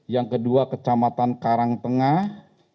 yang kedua kecamatan karangtengah